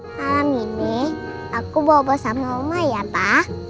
malam ini aku bawa bawa sama rumah ya pa